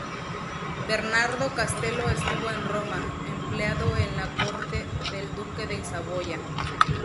Bernardo Castello estuvo en Roma, empleado en la corte del duque de Saboya.